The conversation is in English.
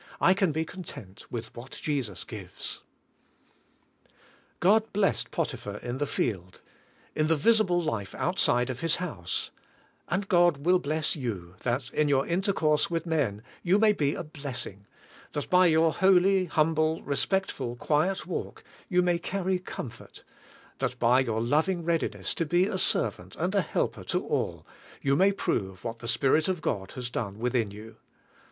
I can be content with what Jesus gives. God blessed Potiphar in the field ; in the visible life outside of his house; and God will bless you, that, in your intercourse with men, you may be a blessing; that by your holy, humble, respectful, quiet walk, you may carr}^ comfort; that by your loving readiness to be a servant and a helper to all, you may prove what the Spirit of God has done within you.